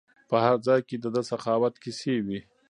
په هر ځای کې د ده سخاوت کیسې وي.